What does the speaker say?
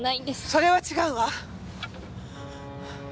それは違うわ！